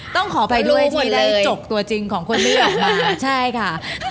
ต้องขอไปด้วยที่ได้จกตัวจริงของคุณมี่ออกมาใช่ค่ะ